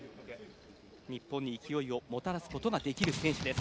日本に勢いをもたらすことができる選手です。